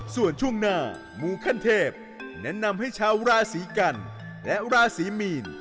ส่วนช่วงหน้ามูขั้นเทพแนะนำให้ชาวราศีกันและราศีมีน